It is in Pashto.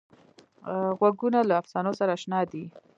غوږونه له افسانو سره اشنا دي